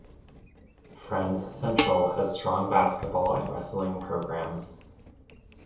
Friends' Central has strong basketball and wrestling programs.